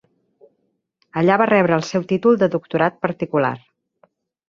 Allà va rebre el seu títol de Doctorat particular.